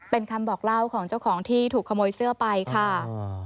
เป็นคำบอกเล่าของเจ้าของที่ถูกขโมยเสื้อไปค่ะ